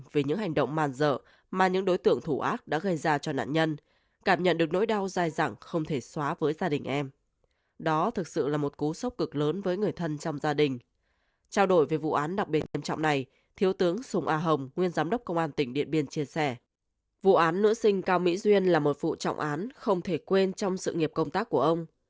vụ án nữ sinh cao mỹ duyên là một vụ trọng án không thể quên trong sự nghiệp công tác của ông